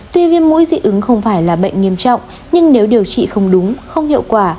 tuy viêm mũi dị ứng không phải là bệnh nghiêm trọng nhưng nếu điều trị không đúng không hiệu quả